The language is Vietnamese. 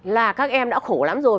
là các em đã khổ lắm rồi